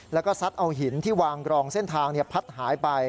แล้วก็ซัดเอาหินที่วางกรองเส้นทางพัดหายไป